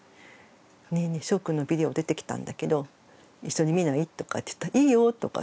「ねえねえしょうくんのビデオ出てきたんだけど一緒に見ない？」とかって言ったら「いいよ」とかって。